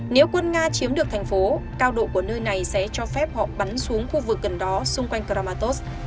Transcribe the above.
nếu quân nga chiếm được thành phố cao độ của nơi này sẽ cho phép họ bắn xuống khu vực gần đó xung quanh karamatos